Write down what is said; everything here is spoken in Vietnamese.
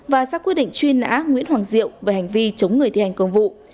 và ra quyết định truy nã nguyễn hoàng diệu về hành vi chống người thi hành công vụ